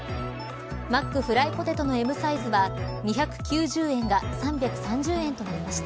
マックフライポテトのＭサイズは２９０円が３３０円となりました。